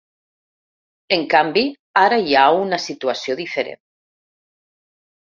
En canvi, ara hi ha una situació diferent.